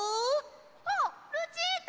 あっルチータ！